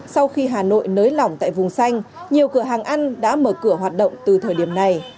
sau khi hà nội nới lỏng tại vùng xanh nhiều cửa hàng ăn đã mở cửa hoạt động từ thời điểm này